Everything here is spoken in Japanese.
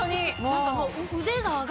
何かもう。